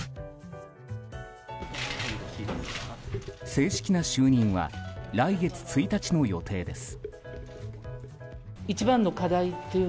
正式な就任は来月１日の予定です。